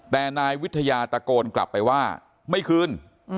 แต่นายวิทยาตะโกนกลับไปว่าไม่คืน